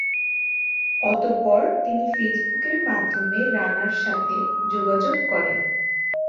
অতঃপর, তিনি ফেসবুকের মাধ্যমে রানার সাথে যোগাযোগ করেন।